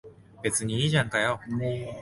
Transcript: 別にいいじゃんかよ。